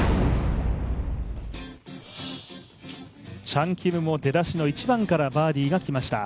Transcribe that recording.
チャン・キムも出だしの１番からバーディーがきました。